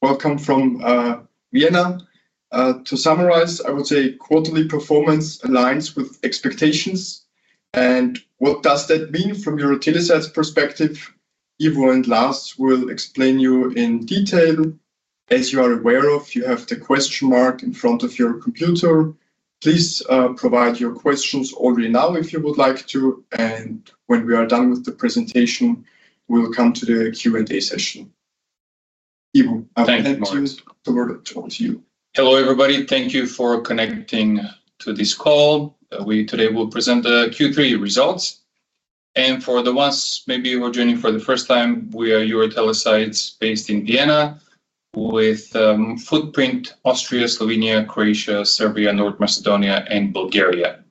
Welcome from Vienna. To summarize, I would say quarterly performance aligns with expectations, and what does that mean from EuroTeleSites perspective? Ivo and Lars will explain you in detail. As you are aware of, you have the question mark in front of your computer. Please, provide your questions already now, if you would like to, and when we are done with the presentation, we'll come to the Q&A session. Ivo, I would like to hand over towards you. Hello, everybody. Thank you for connecting to this call. We today will present the Q3 results, and for the ones maybe who are joining for the first time, we are EuroTeleSites based in Vienna, with footprint Austria, Slovenia, Croatia, Serbia, North Macedonia, and Bulgaria.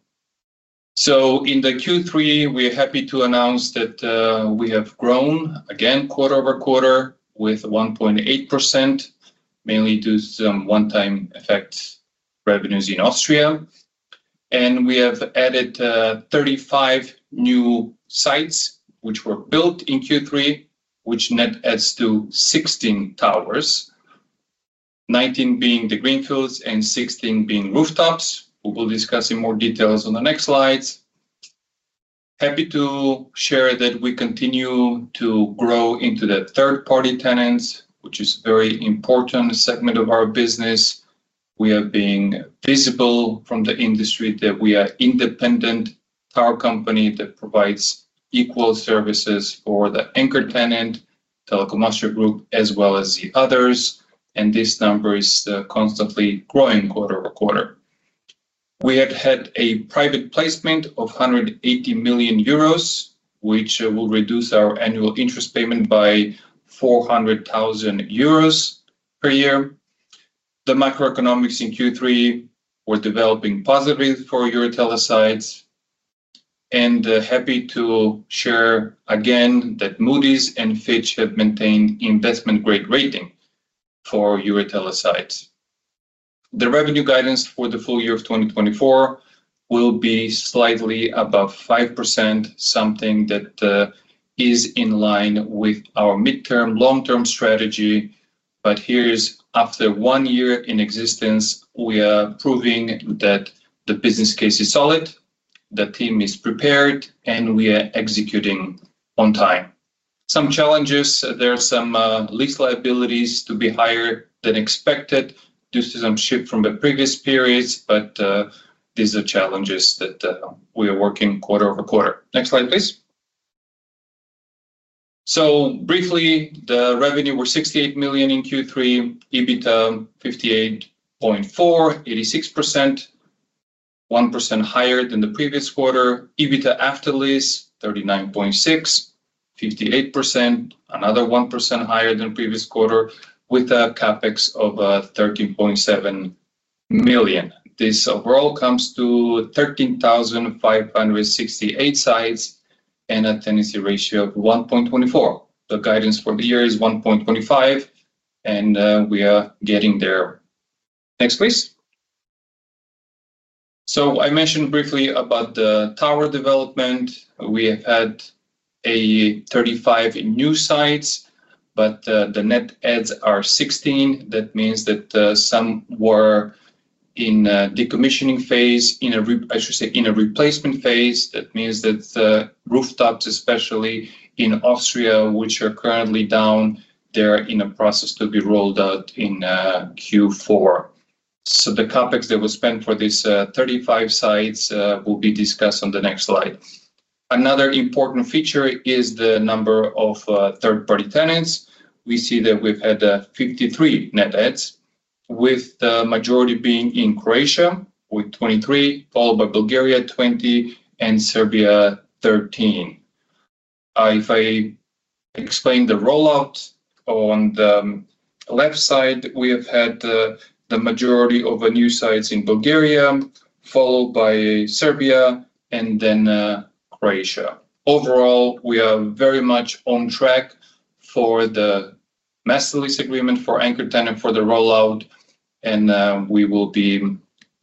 So in the Q3, we're happy to announce that we have grown again quarter over quarter with 1.8%, mainly due to some one-time effect revenues in Austria. And we have added 35 new sites, which were built in Q3, which net adds to 16 towers, 19 being the greenfields and 16 being rooftops. We will discuss in more details on the next slides. Happy to share that we continue to grow into the third-party tenants, which is very important segment of our business. We are being visible from the industry, that we are independent tower company that provides equal services for the anchor tenant, Telekom Austria Group, as well as the others, and this number is constantly growing quarter over quarter. We have had a private placement of 180 million euros, which will reduce our annual interest payment by 400,000 euros per year. The macroeconomics in Q3 were developing positively for EuroTeleSites, and happy to share again that Moody's and Fitch have maintained investment-grade rating for EuroTeleSites. The revenue guidance for the full year of 2024 will be slightly above 5%, something that is in line with our midterm long-term strategy. But here is, after one year in existence, we are proving that the business case is solid, the team is prepared, and we are executing on time. are some challenges. There are some lease liabilities to be higher than expected due to some shift from the previous periods, but these are challenges that we are working quarter over quarter. Next slide, please. So briefly, the revenue was 68 million in Q3, EBITDA 58.4 million, 86%, 1% higher than the previous quarter. EBITDA after lease, 39.6 million, 58%, another 1% higher than previous quarter, with a CapEx of 13.7 million. This overall comes to 13,568 sites and a tenancy ratio of 1.24. The guidance for the year is 1.25, and we are getting there. Next, please. So I mentioned briefly about the tower development. We have had 35 new sites, but the net adds are 16. That means that some were in decommissioning phase. In a re- I should say, in a replacement phase. That means that the rooftops, especially in Austria, which are currently down, they're in a process to be rolled out in Q4. So the CapEx that was spent for this 35 sites will be discussed on the next slide. Another important feature is the number of third-party tenants. We see that we've had 53 net adds, with the majority being in Croatia, with 23, followed by Bulgaria, 20, and Serbia, 13. If I explain the rollout, on the left side, we have had the majority of the new sites in Bulgaria, followed by Serbia and then Croatia. Overall, we are very much on track for the master lease agreement for anchor tenant for the rollout, and we will be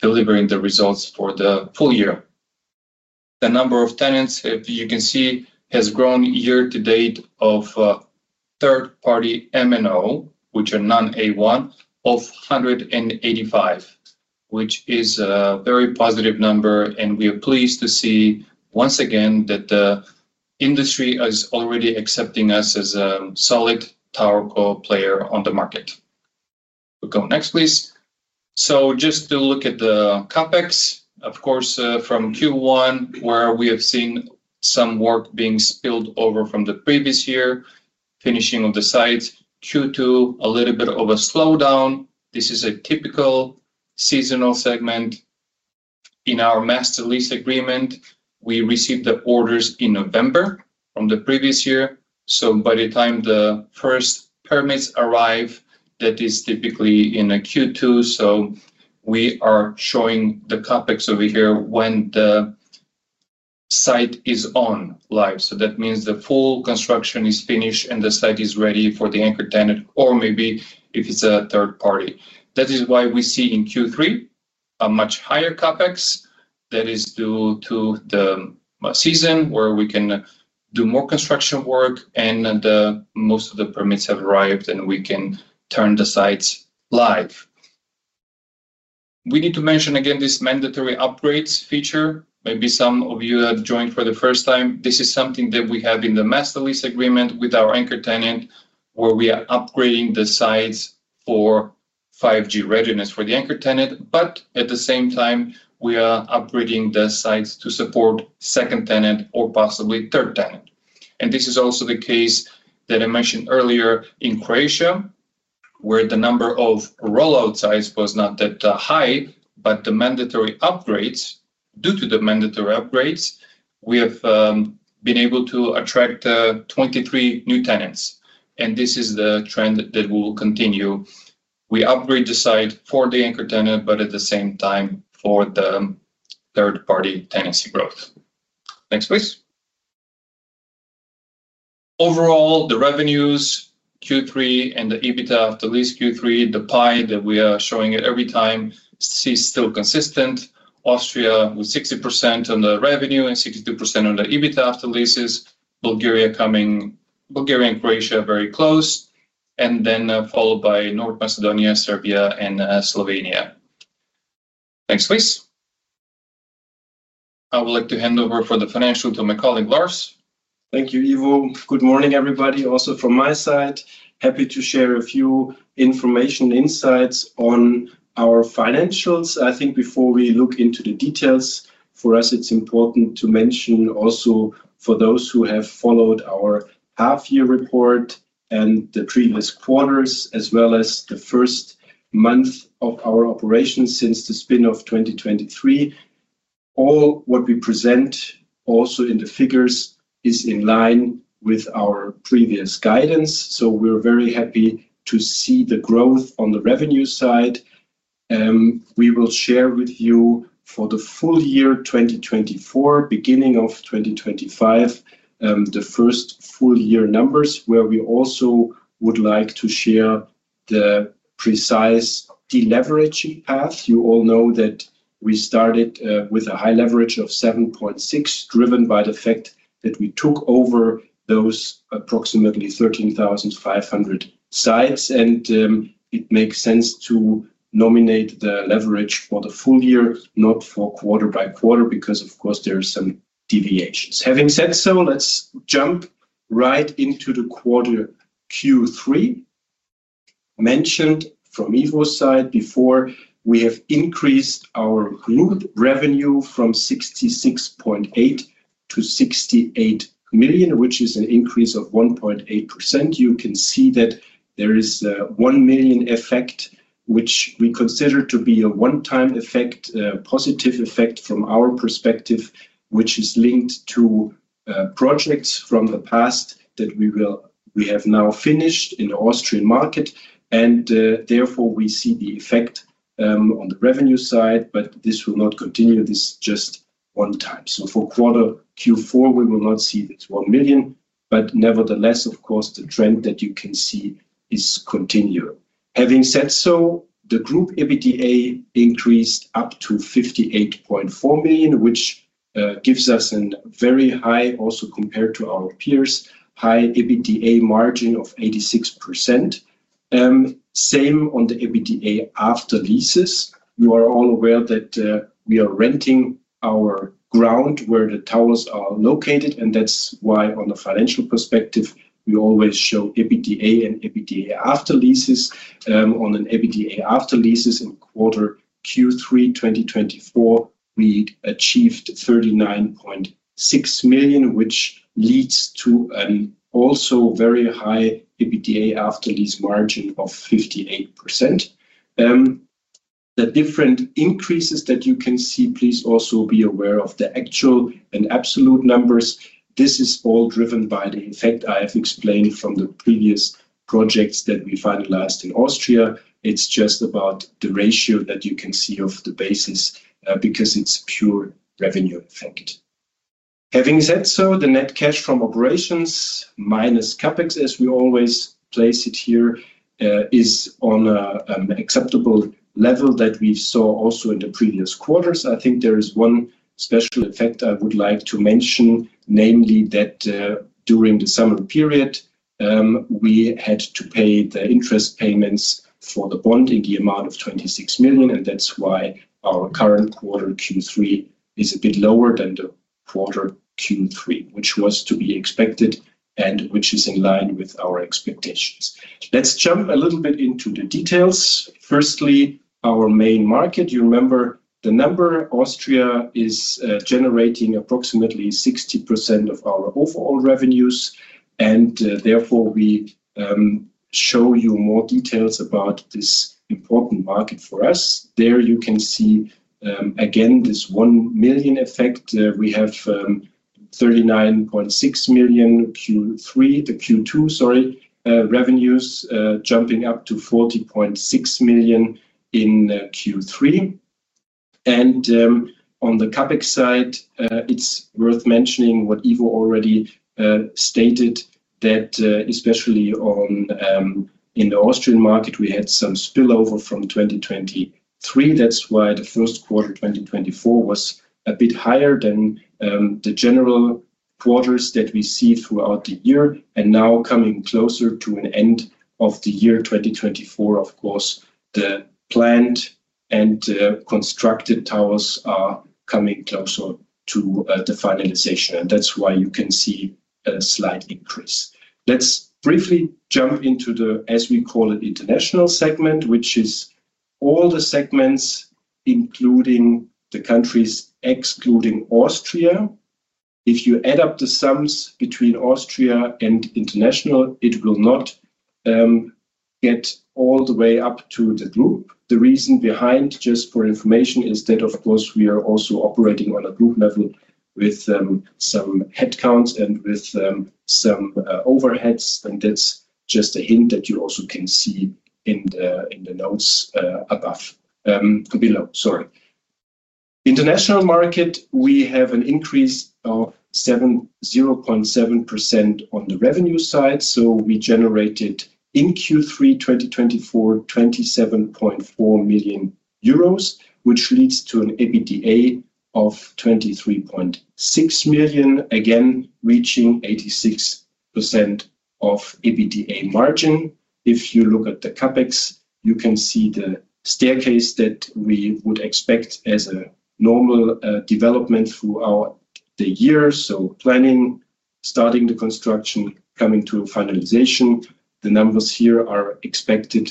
delivering the results for the full year. The number of tenants, if you can see, has grown year to date of third party MNO, which are non-A1 of 185, which is a very positive number, and we are pleased to see once again that the industry is already accepting us as a solid TowerCo player on the market. We go next, please. So just to look at the CapEx, of course, from Q1, where we have seen some work being spilled over from the previous year, finishing of the sites due to a little bit of a slowdown. This is a typical seasonal segment. In our master lease agreement, we received the orders in November from the previous year, so by the time the first permits arrive, that is typically in a Q2. So we are showing the CapEx over here when the site is on live. So that means the full construction is finished, and the site is ready for the anchor tenant, or maybe if it's a third party. That is why we see in Q3 a much higher CapEx that is due to the season where we can do more construction work, and the most of the permits have arrived, and we can turn the sites live. We need to mention again, this mandatory upgrades feature. Maybe some of you have joined for the first time. This is something that we have in the master lease agreement with our anchor tenant, where we are upgrading the sites for 5G readiness for the anchor tenant, but at the same time, we are upgrading the sites to support second tenant or possibly third tenant, and this is also the case that I mentioned earlier in Croatia, where the number of rollout sites was not that high, but due to the mandatory upgrades, we have been able to attract twenty-three new tenants, and this is the trend that will continue. We upgrade the site for the anchor tenant, but at the same time, for the third-party tenancy growth. Next, please. Overall, the revenues Q3 and the EBITDA after lease Q3, the pie that we are showing it every time, CEE is still consistent. Austria with 60% on the revenue and 62% on the EBITDA after leases. Bulgaria and Croatia are very close, and then followed by North Macedonia, Serbia, and Slovenia. Next, please. I would like to hand over for the financial to my colleague, Lars. Thank you, Ivo. Good morning, everybody, also from my side. Happy to share a few information insights on our financials. I think before we look into the details, for us, it's important to mention also for those who have followed our half-year report and the previous quarters, as well as the first month of our operations since the spin-off 2023, all what we present also in the figures, is in line with our previous guidance. So we're very happy to see the growth on the revenue side. We will share with you for the full year, 2024, beginning of 2025, the first full year numbers, where we also would like to share the precise deleveraging path. You all know that we started with a high leverage of 7.6, driven by the fact that we took over those approximately 13,500 sites, and it makes sense to nominate the leverage for the full year, not for quarter by quarter, because of course, there are some deviations. Having said so, let's jump right into the quarter Q3. Mentioned from Ivo's side before, we have increased our group revenue from 66.8 million to 68 million, which is an increase of 1.8%. You can see that there is a 1 million effect, which we consider to be a one-time effect, a positive effect from our perspective, which is linked to projects from the past that we will... We have now finished in the Austrian market, and therefore, we see the effect on the revenue side, but this will not continue, this just one time. So for quarter Q4, we will not see this 1 million, but nevertheless, of course, the trend that you can see is continuing. Having said so, the group EBITDA increased up to 58.4 million, which gives us a very high, also compared to our peers, high EBITDA margin of 86%. Same on the EBITDA after leases. You are all aware that we are renting our ground where the towers are located, and that's why, on the financial perspective, we always show EBITDA and EBITDA after leases. On an EBITDA after leases in quarter Q3, 2024, we achieved 39.6 million, which leads to an also very high EBITDA after leases margin of 58%. The different increases that you can see, please also be aware of the actual and absolute numbers. This is all driven by the effect I have explained from the previous projects that we finalized in Austria. It's just about the ratio that you can see of the basis, because it's pure revenue effect. Having said so, the net cash from operations, minus CapEx, as we always place it here, is on a acceptable level that we saw also in the previous quarters. I think there is one special effect I would like to mention, namely, that, during the summer period, we had to pay the interest payments for the bond in the amount of 26 million, and that's why our current quarter, Q3, is a bit lower than the quarter Q3, which was to be expected and which is in line with our expectations. Let's jump a little bit into the details. Firstly, our main market, you remember the number, Austria is, generating approximately 60% of our overall revenues, and therefore, we, show you more details about this important market for us. There you can see, again, this 1 million effect. We have, 39.6 million, Q3, the Q2, sorry, revenues, jumping up to 40.6 million in Q3. And on the CapEx side, it's worth mentioning what Ivo already stated, that especially in the Austrian market, we had some spillover from 2023. That's why the first quarter 2024 was a bit higher than the general quarters that we see throughout the year. And now coming closer to an end of the year 2024, of course, the planned and constructed towers are coming closer to the finalization, and that's why you can see a slight increase. Let's briefly jump into the international segment, as we call it, which is all the segments, including the countries, excluding Austria. If you add up the sums between Austria and international, it will not get all the way up to the group. The reason behind, just for information, is that, of course, we are also operating on a group level with some headcounts and with some overheads, and that's just a hint that you also can see in the notes above, below, sorry. International market, we have an increase of zero point seven percent on the revenue side. So we generated in Q32024, 27.4 million euros, which leads to an EBITDA of 23.6 million, again, reaching eighty-six percent of EBITDA margin. If you look at the CapEx, you can see the staircase that we would expect as a normal development throughout the year. So planning, starting the construction, coming to a finalization. The numbers here are expected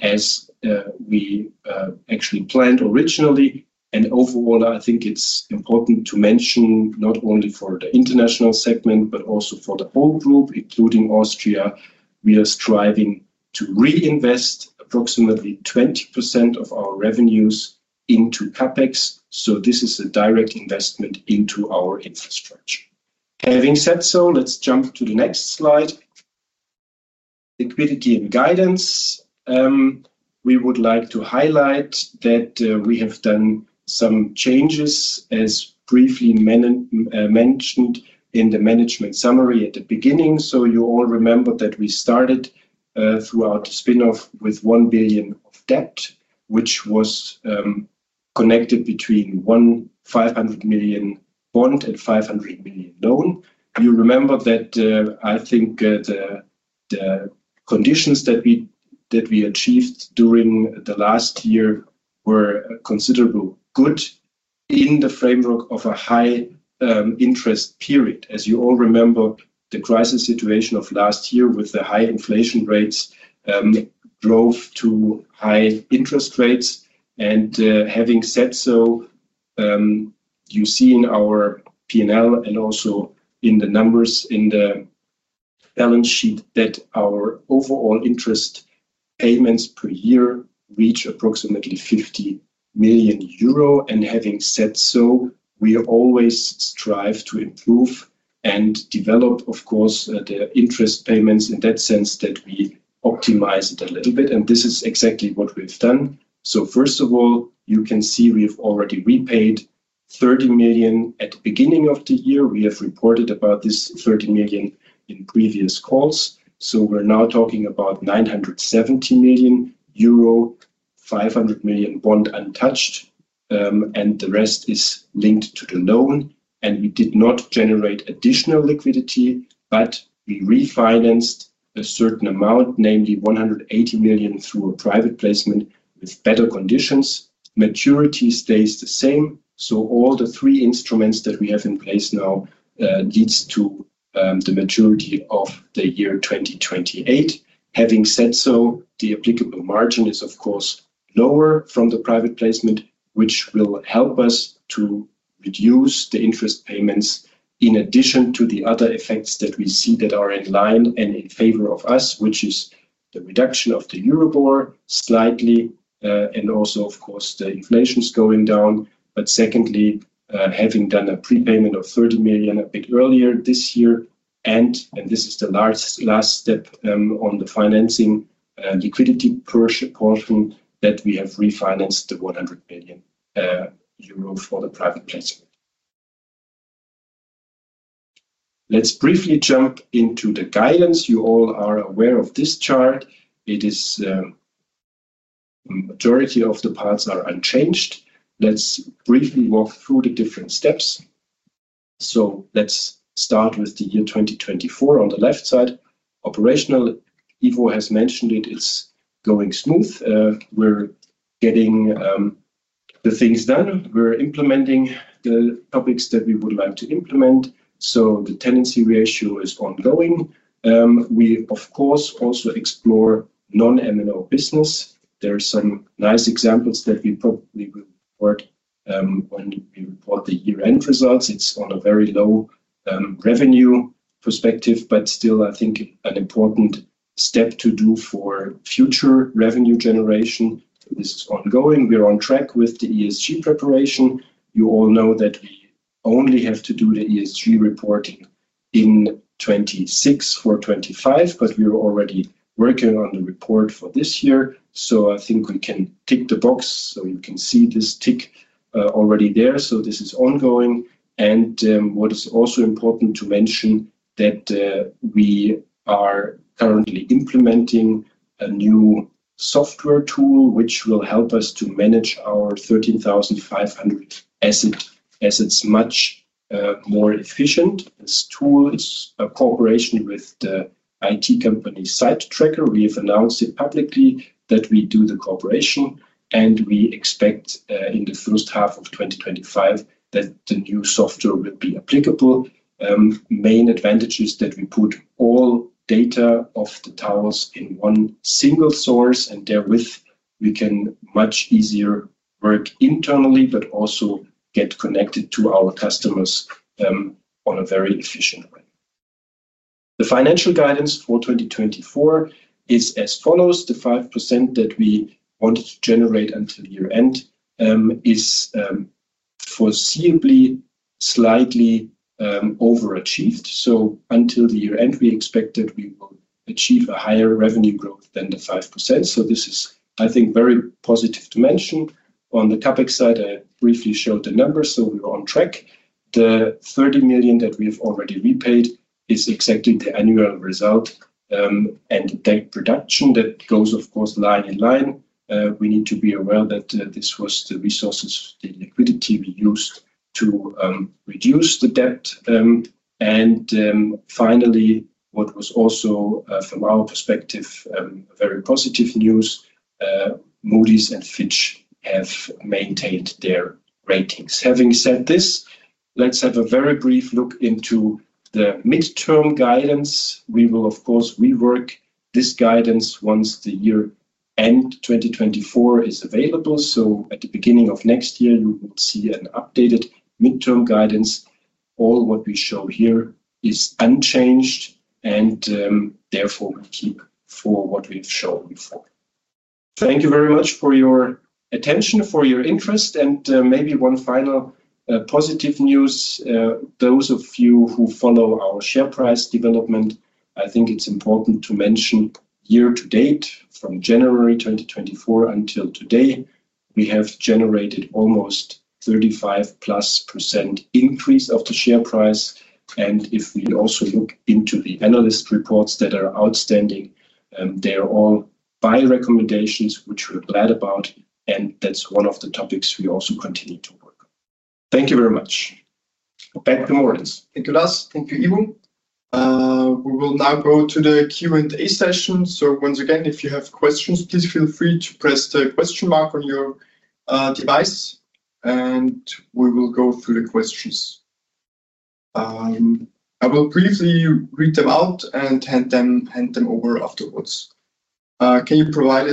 as we actually planned originally. Overall, I think it's important to mention, not only for the international segment, but also for the whole group, including Austria, we are striving to reinvest approximately 20% of our revenues into CapEx, so this is a direct investment into our infrastructure. Having said so, let's jump to the next slide. Liquidity and guidance. We would like to highlight that we have done some changes, as briefly mentioned in the management summary at the beginning. So you all remember that we started throughout the spin-off with 1 billion of debt, which was connected between 500 million bond and 500 million loan. You remember that, I think, the conditions that we achieved during the last year were considerable good in the framework of a high interest period. As you all remember, the crisis situation of last year with the high inflation rates drove to high interest rates, and having said so, you see in our P&L and also in the numbers in the balance sheet, that our overall interest payments per year reach approximately 50 million euro. And having said so, we always strive to improve and develop, of course, the interest payments in that sense, that we optimize it a little bit, and this is exactly what we've done. So first of all, you can see we've already repaid 30 million at the beginning of the year. We have reported about this 30 million in previous calls. So we're now talking about 970 million euro, 500 million bond untouched, and the rest is linked to the loan, and we did not generate additional liquidity, but we refinanced a certain amount, namely 180 million, through a private placement with better conditions. Maturity stays the same, so all the three instruments that we have in place now leads to the maturity of the year 2028. Having said so, the applicable margin is of course lower from the private placement, which will help us to reduce the interest payments in addition to the other effects that we see that are in line and in favor of us, which is the reduction of the Euribor slightly, and also, of course, the inflation's going down. But secondly, having done a prepayment of 30 million a bit earlier this year, and this is the last step on the financing liquidity portion, that we have refinanced the 100 million euro for the private placement. Let's briefly jump into the guidance. You all are aware of this chart. It is, majority of the parts are unchanged. Let's briefly walk through the different steps. So let's start with the year 2024 on the left side. Operational, Ivo has mentioned it, it's going smooth. We're getting the things done. We're implementing the topics that we would like to implement. So the tenancy ratio is ongoing. We, of course, also explore non-MNO business. There are some nice examples that we probably will report when we report the year-end results. It's on a very low revenue perspective, but still, I think an important step to do for future revenue generation. This is ongoing. We're on track with the ESG preparation. You all know that we only have to do the ESG reporting in 2026 or 2025, but we are already working on the report for this year. So I think we can tick the box, so you can see this tick already there. So this is ongoing, and what is also important to mention that we are currently implementing a new software tool which will help us to manage our 13,500 assets much more efficient. This tool is a cooperation with the IT company Sitetracker. We've announced it publicly that we do the cooperation, and we expect in the first half of twenty twenty-five that the new software will be applicable. Main advantage is that we put all data of the towers in one single source, and therewith, we can much easier work internally, but also get connected to our customers on a very efficient way. The financial guidance for twenty twenty-four is as follows: the 5% that we wanted to generate until year-end is foreseeably slightly overachieved. Until the year-end, we expect that we will achieve a higher revenue growth than the 5%. This is, I think, very positive to mention. On the CapEx side, I briefly showed the numbers, so we're on track. The 30 million that we've already repaid is exactly the annual result, and debt reduction that goes, of course, line in line. We need to be aware that this was the resources, the liquidity we used to reduce the debt, and finally, what was also from our perspective a very positive news, Moody's and Fitch have maintained their ratings. Having said this, let's have a very brief look into the midterm guidance. We will, of course, rework this guidance once the year-end 2024 is available. So at the beginning of next year, you will see an updated midterm guidance. All what we show here is unchanged, and therefore, we keep for what we've shown before. Thank you very much for your attention, for your interest. And, maybe one final positive news, those of you who follow our share price development. I think it's important to mention year to date, from January 2024 until today, we have generated almost 35-plus% increase of the share price. And if we also look into the analyst reports that are outstanding, they're all buy recommendations, which we're glad about, and that's one of the topics we also continue to work on. Thank you very much. Back to Moritz. Thank you, Lars. Thank you, Ivo. We will now go to the Q&A session. So once again, if you have questions, please feel free to press the question mark on your device, and we will go through the questions. I will briefly read them out and hand them over afterwards. Can you provide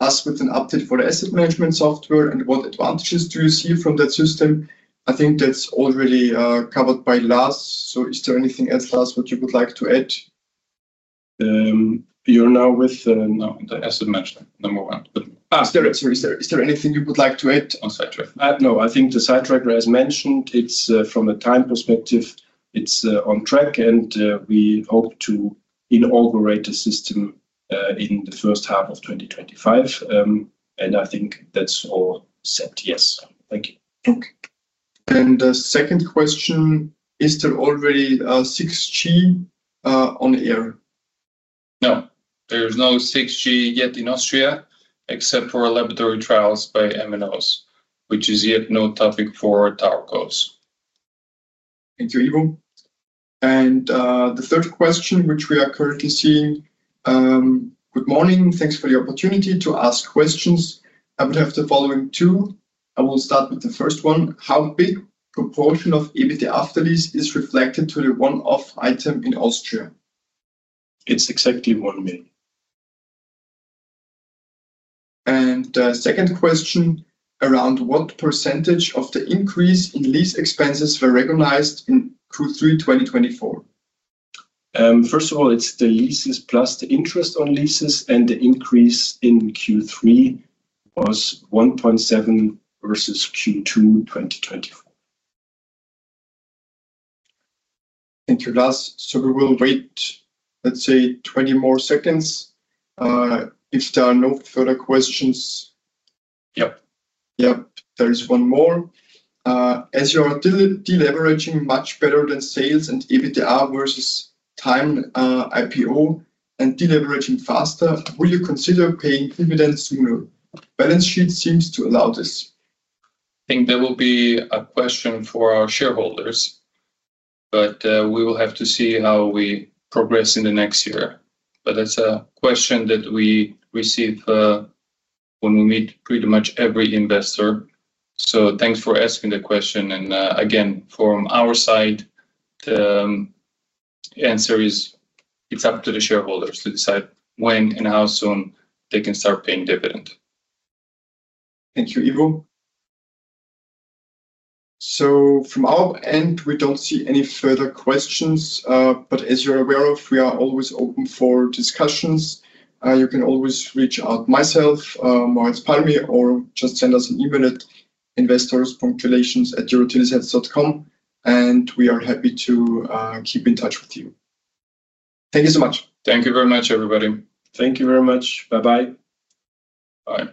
us with an update for the asset management software, and what advantages do you see from that system? I think that's already covered by Lars. So is there anything else, Lars, what you would like to add? You're now with... No, the asset management, number one. But, sorry. Is there anything you would like to add? On Sitetracker? No, I think the Sitetracker, as mentioned, it's from a time perspective, it's on track, and we hope to inaugurate the system in the first half of twenty twenty-five. And I think that's all said. Yes. Thank you. Okay. The second question: Is there already 6G on air? No, there is no 6G yet in Austria, except for laboratory trials by MNOs, which is yet no topic for TowerCo. Thank you, Ivo. And, the third question, which we are currently seeing: Good morning. Thanks for the opportunity to ask questions. I would have the following two. I will start with the first one. How big proportion of EBITDA after leases is reflected to the one-off item in Austria? It's exactly one million. The second question, around what percentage of the increase in lease expenses were recognized in Q3 2024? First of all, it's the leases plus the interest on leases, and the increase in Q3 was 1.7 versus Q2 2024. Thank you, Lars. So we will wait, let's say, twenty more seconds. If there are no further questions... Yep. Yep, there is one more. As you're deleveraging much better than sales and EBITDA versus timed IPO and deleveraging faster, will you consider paying dividends sooner? Balance sheet seems to allow this. I think that will be a question for our shareholders, but, we will have to see how we progress in the next year. But that's a question that we receive, when we meet pretty much every investor. So thanks for asking the question, and, again, from our side, the answer is, it's up to the shareholders to decide when and how soon they can start paying dividend. Thank you, Ivo. So from our end, we don't see any further questions, but as you're aware of, we are always open for discussions. You can always reach out myself, Moritz Palmié, or just send us an email at investor.relations@eurotelesites.com, and we are happy to keep in touch with you. Thank you so much. Thank you very much, everybody. Thank you very much. Bye-bye. Bye.